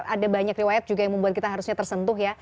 ada banyak riwayat juga yang membuat kita harusnya tersentuh ya